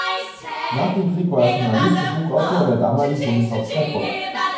Nach dem Krieg war er Journalist und Buchautor in der damaligen Bundeshauptstadt Bonn.